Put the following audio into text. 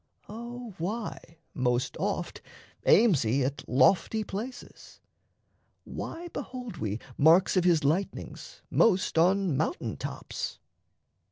O why most oft Aims he at lofty places? Why behold we Marks of his lightnings most on mountain tops?